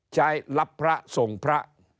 ใช้รับพระส่งพระ